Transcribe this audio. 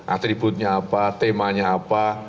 atributnya apa temanya apa